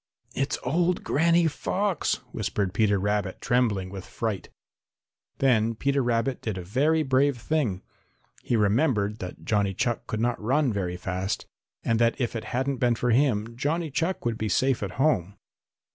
"It's old Granny Fox," whispered Peter Rabbit, trembling with fright. Then Peter Rabbit did a very brave thing. He remembered that Johnny Chuck could not run very fast and that if it hadn't been for him, Johnny Chuck would be safe at home.